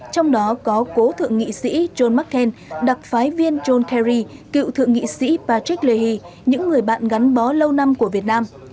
trong đó có cố thượng nghị sĩ john mccain đặc phái viên john kerry cựu thượng nghị sĩ patrick leahy những người bạn gắn bó lâu năm của việt nam